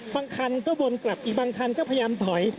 บางคันก็วนกลับอีกบางคันก็พยายามถอย